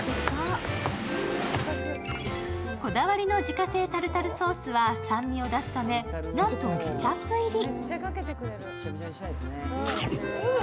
こだわりの自家製タルタルソースは、酸味を出すためなんとケチャップ入り。